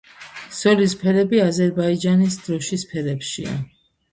ზოლის ფერები აზერბაიჯანის დროშის ფერებშია.